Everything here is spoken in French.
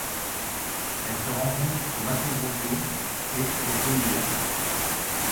Elle se rencontre au Mato Grosso et au Goiás.